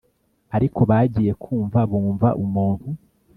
ariko bagiye kumva bumva umuntu